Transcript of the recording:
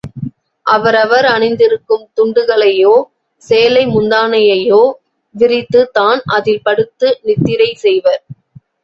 அவரவர் அணிந்திருக்கும் துண்டுகளையோ, சேலை முந்தானையையோ விரித்துத் தான், அதில் படுத்து நித்திரை செய்வர்.